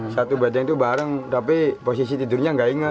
satu bedeng tuh bareng tapi posisi tidurnya gak ingat